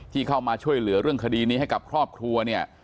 เข้ามาช่วยเหลือเรื่องคดีนี้ให้กับครอบครัวเนี่ย